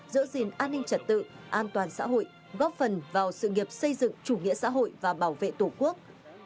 giữ gìn an ninh trật tự an toàn xã hội góp phần vào sự nghiệp xây dựng chủ nghĩa xã hội và bảo vệ tổ quốc